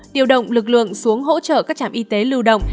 điều động lực lượng xuống hỗ trợ các trạm y tế lưu động